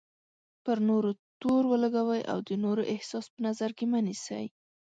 پر نورو تور ولګوئ او د نورو احساس په نظر کې مه نیسئ.